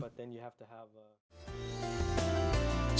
thì bạn phải có